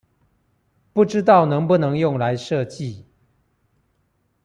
不知道能不能用來設計？